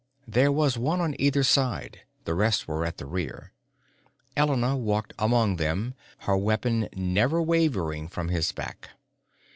There was one on either side, the rest were at the rear. Elena walked among them, her weapon never wavering from his back.